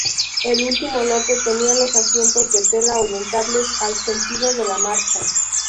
El último lote tenía los asientos de tela orientables al sentido de la marcha.